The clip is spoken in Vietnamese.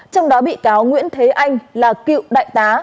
trong đó bị cáo nguyễn thế anh là cựu đại tá